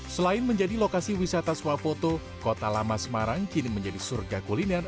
selain menjadi lokasi wisata swafoto kota lama semarang kini menjadi surga kuliner